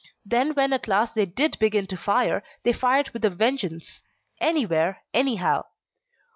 Then when at last they did begin to fire, they fired with a vengeance anywhere, anyhow.